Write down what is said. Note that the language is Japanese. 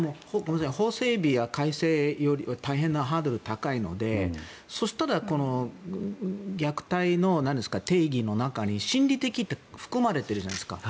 法整備や改正はハードルが高いのでそうするとこの虐待の定義の中に心理的って含まれてるじゃないですか。